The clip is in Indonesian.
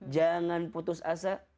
jangan putus asa